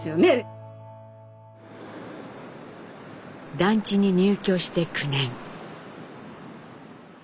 団地に入居して９年。